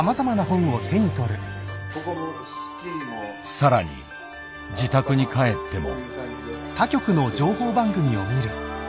さらに自宅に帰っても。